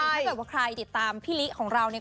สักคนสุดว่าใครติดตามพี่ลิของเรานี้